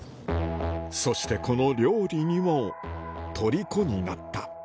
そしてこの料理にも、とりこになった。